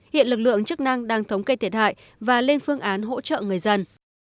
hiện lực lượng chức năng đang thống kê thiệt hại và lên phương án hỗ trợ người dân